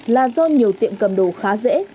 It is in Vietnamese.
là do nhiều tiệm cầm đồ khá dễ